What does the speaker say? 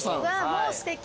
もうすてき。